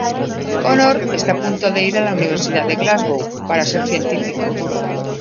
Conor está a punto de ir a la Universidad de Glasgow para ser científico.